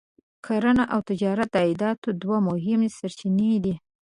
کرنه او تجارت د عایداتو دوه مهمې سرچینې دي.